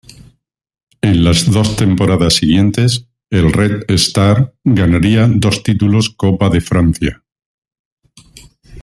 En las dos temporadas siguientes, el Red Star ganaría dos títulos Copa de Francia.